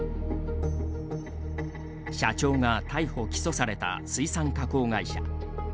社長が逮捕・起訴された水産加工会社。